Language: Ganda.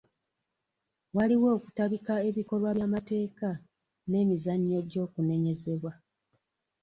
Waliwo okutabika ebikolwa by'amateeka n'emizannyo gy'okunenyezebwa.